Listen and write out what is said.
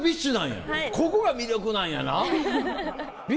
ここが魅力なんやな。